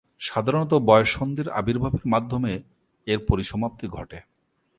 সাধারণত বয়ঃসন্ধির আবির্ভাবের মাধ্যমে এর পরিসমাপ্তি ঘটে।